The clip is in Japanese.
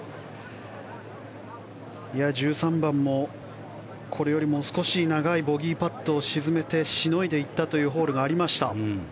１３番もこれよりもう少し長いボギーパットを沈めてしのいでいったホールがありました。